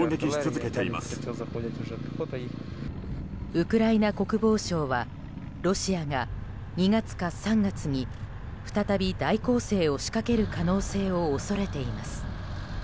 ウクライナ国防省はロシアが、２月か３月に再び大攻勢を仕掛ける可能性を恐れています。